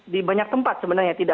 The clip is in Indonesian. di banyak tempat sebenarnya